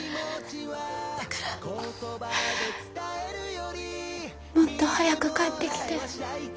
だからもっと早く帰ってきて。